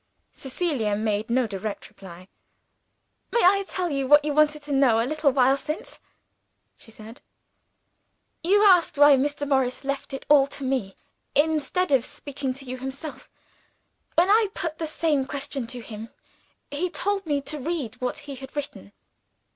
Cecilia made no direct reply. "May I tell you what you wanted to know, a little while since?" she said. "You asked why Mr. Morris left it all to me, instead of speaking to you himself. When I put the same question to him, he told me to read what he had written.